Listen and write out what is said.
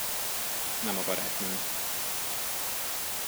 Nem a barátnőm.